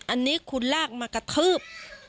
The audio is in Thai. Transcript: อันนี้คุณลากมากระทืบ